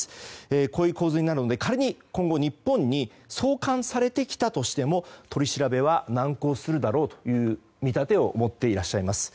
こういう構図になるので仮に今後、日本に送還されてきたとしても取り調べは難航するだろうという見立てを持っていらっしゃいます。